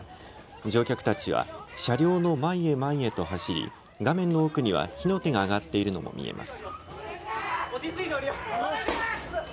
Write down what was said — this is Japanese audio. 乗客たちは車両の前へ前へと走り画面の奥には火の手が上がっているのも見えます。